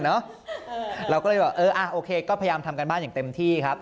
โอเคเราก็พยายามทำการบ้านอย่างเต็มที่ครับ